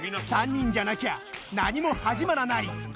３人じゃなきゃ何も始まらない！